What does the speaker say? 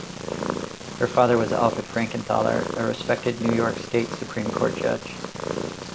Her father was Alfred Frankenthaler, a respected New York State Supreme Court judge.